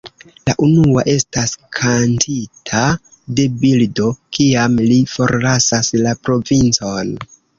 La unua estas kantita de Bildo kiam li forlasas La Provincon.